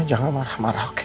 jangan marah marah oke